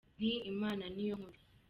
Nti « Imana ni yo nkuru